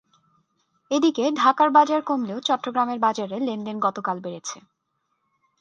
এদিকে ঢাকার বাজারে কমলেও চট্টগ্রামের বাজারে লেনদেন গতকাল বেড়েছে।